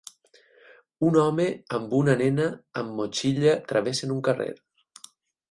Un home amb una nena amb motxilla travessen un carrer.